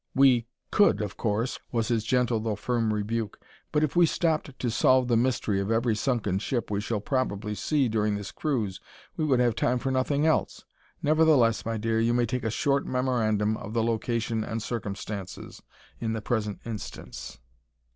"We could, of course," was his gentle though firm rebuke, "but if we stopped to solve the mystery of every sunken ship we shall probably see during this cruise, we would have time for nothing else. Nevertheless, my dear, you may take a short memorandum of the location and circumstances, in the present instance."